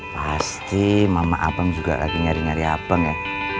pasti mama apang juga lagi nyari nyari apang ya